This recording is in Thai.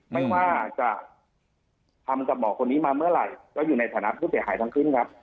ไม่ว่าจะทำกับหมอคนนี้มาเมื่อไหร่ก็อยู่ในฐานะผู้เสียหายทั้งขึ้นครับ